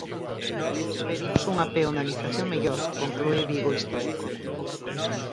Pedimos unha peonalización mellor, conclúe Vigo Histórico.